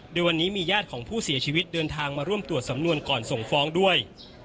โดยวันนี้มีญาติของผู้เสียชีวิตเดินทางมาร่วมตรวจสำนวนก่อนส่งฟ้องด้วย